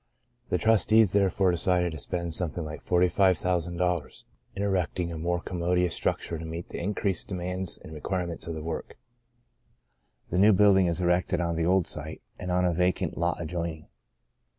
The trustees therefore decided to spend something like forty five thousand dollars in erecting a more commo 30 The Greatest of These dious structure to meet the increased de mands and requhements of the work. The new building is erected on the old site and on a vacant lot adjoining.